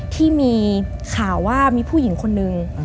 ที่มีข่าวว่ามีผู้หญิงคนนึง